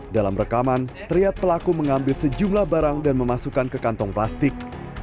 dalam rekaman teriak pelaku mengambil sejumlah barang dan memasukkan ke kantong plastik